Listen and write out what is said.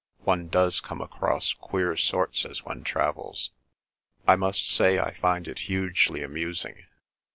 One does come across queer sorts as one travels. I must say I find it hugely amusing.